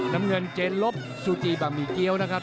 น้ำเงินเจนลบซูจีบะหมี่เกี้ยวนะครับ